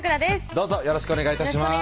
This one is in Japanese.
どうぞよろしくお願い致します